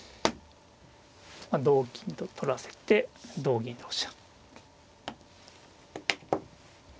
同金と取らせて同銀同飛車。